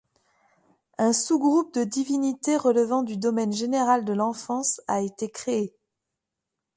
Un sous-groupe de divinités relevant du domaine général de l'enfance a été créé.